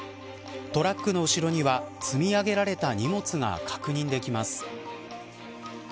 トラックの後ろには積み上げられた荷物が確認できます。